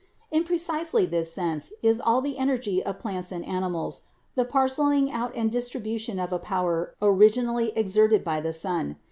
"In precisely this sense is all the energy of plants and animals the parceling out and distribution of a power originally exerted by the sun.